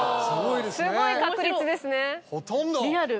すごいですねほとんど。